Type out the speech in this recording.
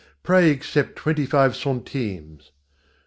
"Pray accept twenty five centimes."